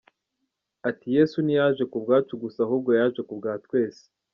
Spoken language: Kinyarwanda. Ati “Yesu ntiyaje ku bwacu gusa ahubwo yaje ku bwa twese.